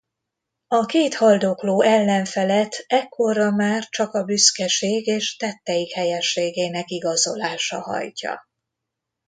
A két haldokló ellenfelet ekkora már csak a büszkeség és tetteik helyességének igazolása hajtja.